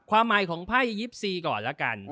ความหมายของไภยิปซีก่อนละกัน